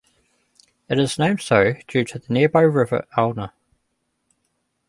It is named so due to the nearby river "Alna".